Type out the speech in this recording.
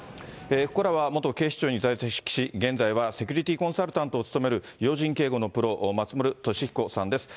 ここからは元警視庁に在籍し、現在はセキュリティーコンサルタントを務める、要人警護のプロ、松丸俊彦さんです。